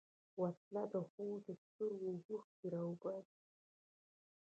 وسله د خور د سترګو اوښکې راوباسي